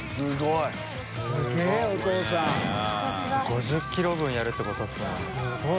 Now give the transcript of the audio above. ５０ｋｇ分やるってことですもんね。